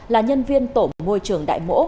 là nhân viên tổ môi trường đại mỗ